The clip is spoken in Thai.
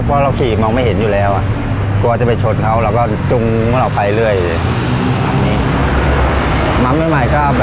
แต่อันนี้ชินแล้วถึงทันทำไมหายแหละ